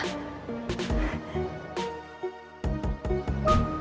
selesai dari kampus citra langsung pulang ya